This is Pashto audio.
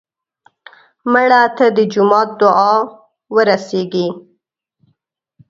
مړه ته د جومات دعا ورسېږي